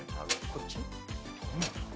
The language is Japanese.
こっち？